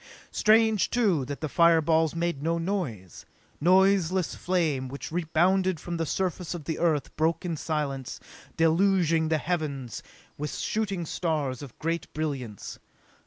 Strange, too, that the fireballs made no noise. Noiseless flame which rebounded from the surface of the Earth broke in silence, deluging the heavens with shooting stars of great brilliance.